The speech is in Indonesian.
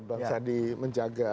bang sandi menjaga